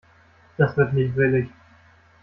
Das wird nicht billig.